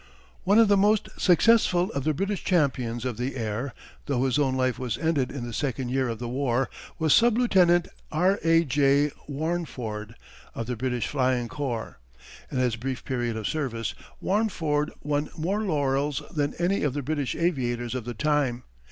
One of the most successful of the British champions of the air, though his own life was ended in the second year of the war, was sub Lieutenant R. A. J. Warneford, of the British Flying Corps. In his brief period of service Warneford won more laurels than any of the British aviators of the time.